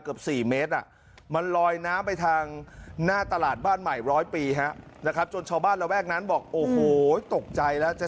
อีกร้อยปีนะครับจนชาวบ้านระแวกนั้นบอกโอ้โหตกใจแล้ว